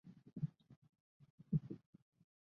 ঐতিহ্যবাহী গোলাপগঞ্জ উপজেলার একটি জনবহুল ইউনিয়ন।